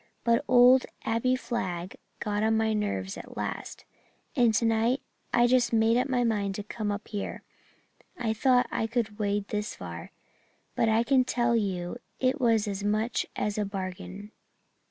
But old Abbie Flagg got on my nerves at last, and tonight I just made up my mind to come up here. I thought I could wade this far, but I can tell you it was as much as a bargain.